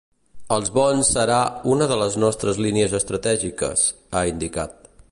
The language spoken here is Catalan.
“Els bons serà una de les nostres línies estratègiques”, ha indicat.